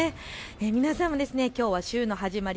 皆さんもきょうは週の始まり